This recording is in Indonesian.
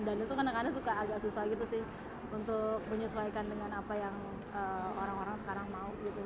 dan itu kadang kadang suka agak susah gitu sih untuk menyesuaikan dengan apa yang orang orang sekarang mau